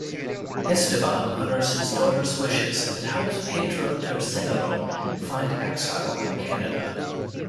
Esteban honours his daughter's wishes and helps Pedro Tercero find exile in Canada.